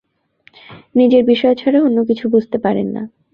নিজের বিষয় ছাড়া অন্য কিছু বুঝতে পারেন না।